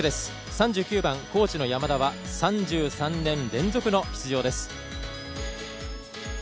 ３９番、高知の山田は３３年連続の出場です。